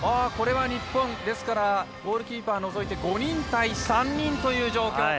これは日本ゴールキーパー除いて５人対３人という状況。